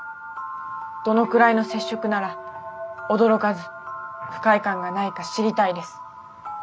どのくらいの接触なら驚かず不快感がないか知りたいです。